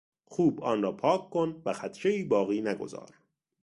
خوب آن را پاک کن و خدشهای باقی نگذار.